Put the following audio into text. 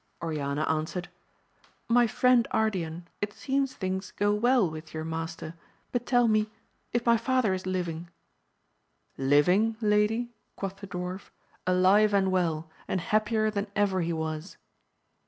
Oriana answered. My friend Ardian, it seems things go well with your master, but tell me if my father is living ? Living ? lady, quoth the dwarf, alive and well, and happier than ever he was